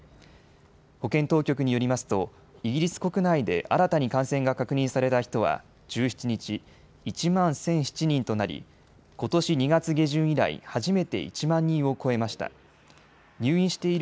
保健当局によりますとイギリス国内で新たに感染が確認された人は１７日、１万１００７人となり、ことし２月下旬以来、初めて１万人を超えました。